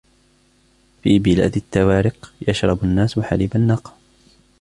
في بلاد التوارق ، يشرب الناس حليب الناقة.